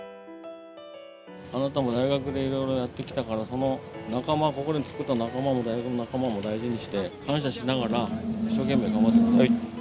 あなたも大学でいろいろやってきたから、その仲間、ここで作った仲間も、大学の仲間も大事にして、感謝しながら、一生懸命頑張ってくださはい。